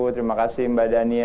terima kasih mbak dania